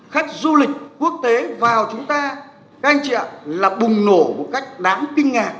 khách du lịch quốc tế vào chúng ta các anh chị ạ là bùng nổ một cách đáng kinh ngạc